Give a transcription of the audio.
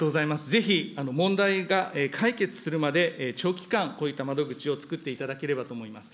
ぜひ、問題が解決するまで長期間、こういった窓口を作っていただければと思います。